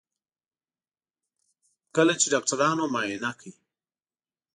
کله چې ډاکټرانو معاینه کړ.